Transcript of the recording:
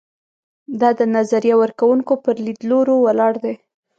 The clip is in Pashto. دا د نظریه ورکوونکو پر لیدلورو ولاړ دی.